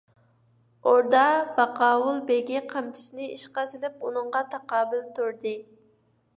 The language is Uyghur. ئوردا باقاۋۇل بېگى قامچىسىنى ئىشقا سېلىپ ئۇنىڭغا تاقابىل تۇردى.